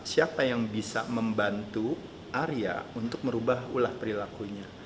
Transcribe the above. nah makanya kenapa siapa yang bisa membantu arya untuk merubah ulah perilakunya